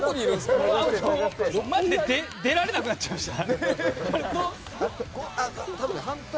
まじで出られなくなっちゃいました。